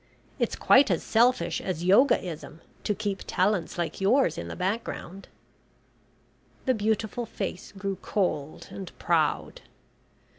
It's quite as selfish as Yogaism to keep talents like yours in the background." The beautiful face grew cold and proud.